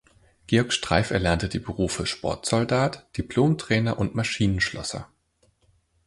Georg Streif erlernte die Berufe Sportsoldat, Diplomtrainer und Maschinenschlosser.